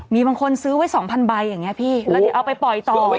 มีบางคนซื้อไว้๒๐๐ใบอย่างนี้พี่แล้วเดี๋ยวเอาไปปล่อยต่อ